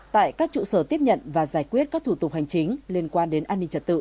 tại các trụ sở tiếp nhận và giải quyết các thủ tục hành chính liên quan đến an ninh trật tự